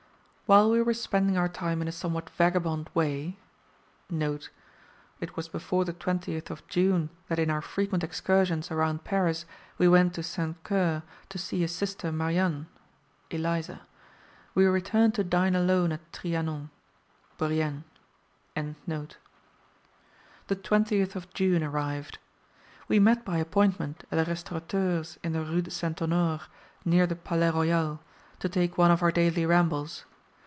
While we were spending our time in a somewhat vagabond way, [It was before the 20th of June that in our frequent excursions around Paris we went to St. Cyr to see his sister Marianne (Elisa). We returned to dine alone at Trianon. Bourrienne.] the 20th of June arrived. We met by appointment at a restaurateur's in the Rue St. Honore, near the Palais Royal, to take one of our daily rambles.